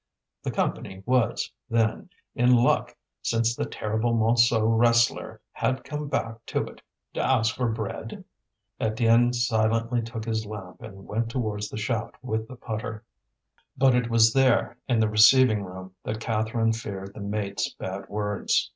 The Company was, then, in luck since the terrible Montsou wrestler had come back to it to ask for bread? Étienne silently took his lamp and went towards the shaft with the putter. But it was there, in the receiving room, that Catherine feared the mates' bad words.